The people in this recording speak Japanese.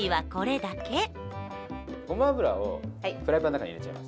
ごま油をフライパンの中に入れちゃいます。